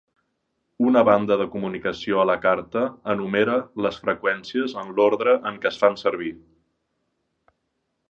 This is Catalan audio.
Una banda de comunicació a la carta enumera les freqüències en l'ordre en què es fan servir.